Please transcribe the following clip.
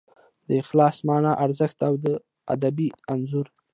د اخلاص مانا، ارزښت او ادبي انځور